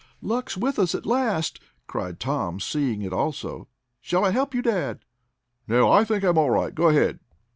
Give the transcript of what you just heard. "Luck's with us at last!" cried Tom, seeing it also. "Shall I help you, dad?" "No; I think I'm all right. Go ahead."